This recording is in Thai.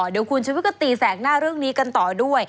เดี๋ยวคุณชุวิตก็ตีแสกหน้าเรื่องนี้กันต่อด้วย